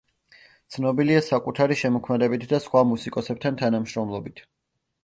ცნობილია საკუთარი შემოქმედებით და სხვა მუსიკოსებთან თანამშრომლობით.